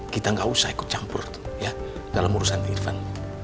kita gak usah ikut campur dalam urusan irfan